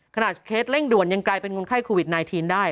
เคสเคสเร่งด่วนยังกลายเป็นคนไข้โควิด๑๙ได้